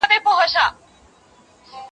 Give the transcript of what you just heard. نه مشکل ورته معلوم سو د خوارانو